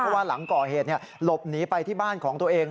เพราะว่าหลังก่อเหตุหลบหนีไปที่บ้านของตัวเอง